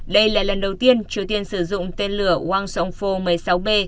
đây là lần đầu tiên triều tiên sử dụng tên lửa wang fo một mươi sáu b